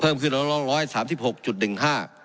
เพิ่มขึ้นร้อนร้อง๑๓๖๑๕